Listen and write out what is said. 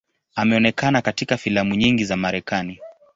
Ameonekana katika filamu nyingi za Marekani.